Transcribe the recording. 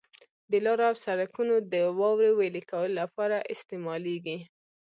د لارو او سرکونو د واورې ویلي کولو لپاره استعمالیږي.